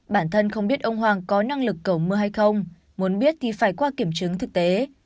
bản thân không biết ông hoàng có năng lực cầu mưa hay không muốn biết thì phải qua kiểm chứng thực tế